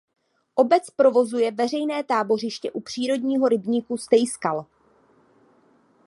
Obec provozuje veřejné tábořiště u přírodního rybníku Stejskal.